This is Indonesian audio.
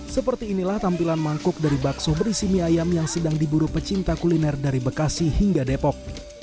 seperti inilah tampilan mangkuk dari bakso berisi mie ayam yang sedang diburu pecinta kuliner dari bekasi hingga depok